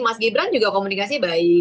mas gibran juga komunikasi baik